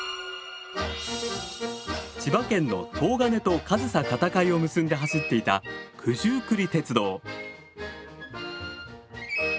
千葉県の東金と上総片貝を結んで走っていた九十九里鉄道。